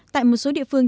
tại một số địa phương